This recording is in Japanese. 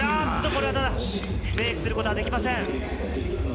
これはメイクすることできません。